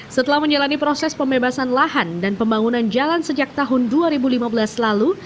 setelah menjalani proses pembebasan lahan dan pembangunan jalan sejak tahun dua ribu lima belas lalu